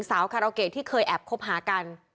คาราเกะที่เคยแอบคบหากัน